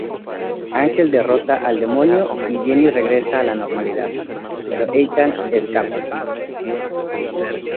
Ángel derrota al demonio y Jenny regresa a la normalidad, pero Ethan escapa.